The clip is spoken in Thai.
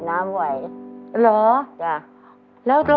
สวัสดีครับ